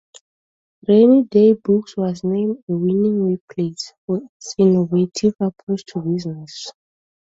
Rainy Day Books was named a "Winning Workplace" for its innovative approach to business.